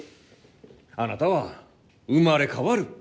あなたは生まれ変わる！